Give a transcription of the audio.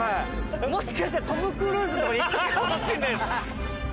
もしかしたらトム・クルーズのとこいたかもしれない。